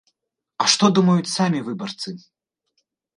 А што думаюць самі выбарцы?